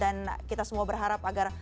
dan kita semua berharap agar